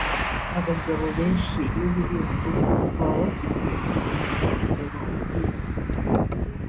Abagabo benshi iyo biriwe mu rugo baba bafite imirimo ya kigabo bahugiyemo